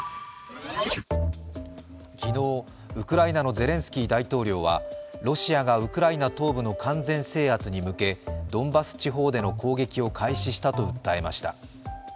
昨日、ウクライナのゼレンスキー大統領はロシアがウクライナ東部の完全制圧に向けドンバス地方での攻撃を開始したと訴えました。